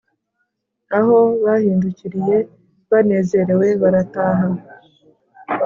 aho bahindukiriye banezerewe barataha,